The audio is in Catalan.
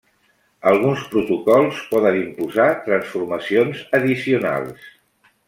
Alguns protocols poden imposar transformacions addicionals.